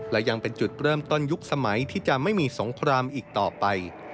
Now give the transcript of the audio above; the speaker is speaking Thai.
และยังเป็นจุดเริ่มต้นยุคสมัยที่จะไม่มีสงครามอีกต่อไป